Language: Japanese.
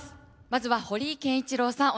まずは堀井憲一郎さん